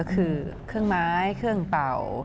คือเครื่องไม้เครื่องเป่า